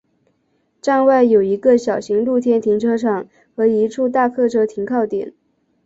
站外有一个小型露天停车场和一处大客车停靠点。